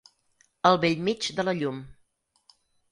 Al bell mig de la llum.